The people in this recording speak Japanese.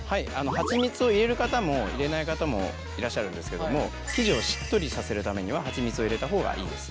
ハチミツを入れる方も入れない方もいらっしゃるんですけども生地をしっとりさせるためにはハチミツを入れた方がいいです。